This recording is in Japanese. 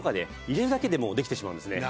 入れるだけでもうできてしまうんですね。